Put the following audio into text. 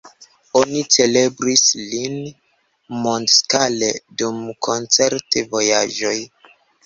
Oni celebris lin mondskale dum koncert-vojaĝoj.